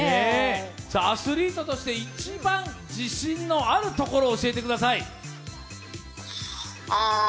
アスリートとして一番自信のあるところを教えてください。